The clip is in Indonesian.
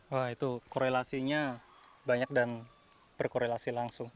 wah itu korelasinya banyak dan berkorelasi langsung